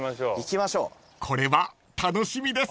［これは楽しみです］